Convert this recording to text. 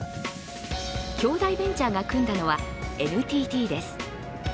京大ベンチャーが組んだのはＮＴＴです。